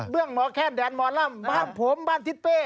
เบื้องหมอแค่นแดนหมอล่ำบ้านผมบ้านทิศเป้